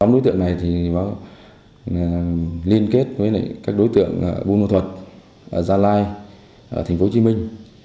tám đối tượng này thì liên kết với các đối tượng buôn ma thuật gia lai thành phố hồ chí minh